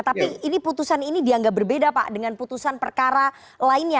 tapi ini putusan ini dianggap berbeda pak dengan putusan perkara lainnya